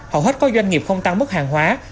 hầu hết có doanh nghiệp không tăng mức hàng hóa